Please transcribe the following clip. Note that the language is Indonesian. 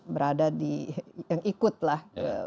berada di yang ikut lah